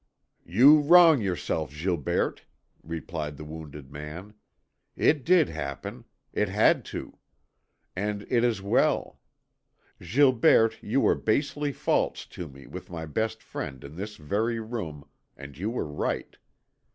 "You wrong yourself, Gilberte," replied the wounded man. "It did happen; it had to. And it is well. Gilberte, you were basely false to me with my best friend in this very room, and you were right.